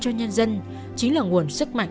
cho nhân dân chính là nguồn sức mạnh